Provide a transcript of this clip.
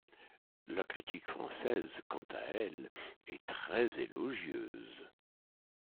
La critique française, quant à elle, est très élogieuse.